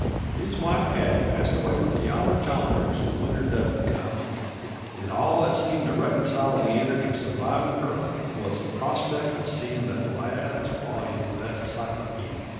His wife, Hattie, passed away with the yaller janders the winter W come, and all that seemed to reconcile Leander to survivin' her wuz the prospect uv seein' the last volyume of that cyclopeedy.